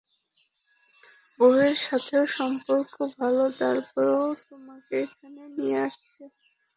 বউয়ের সাথেও সম্পর্ক ভালো, তারপরও, তোমাকে এখানে নিয়ে আসছি।